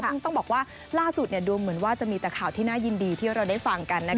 ซึ่งต้องบอกว่าล่าสุดดูเหมือนว่าจะมีแต่ข่าวที่น่ายินดีที่เราได้ฟังกันนะคะ